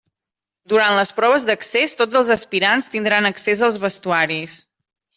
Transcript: Durant les proves d'accés tots els aspirants tindran accés als vestuaris.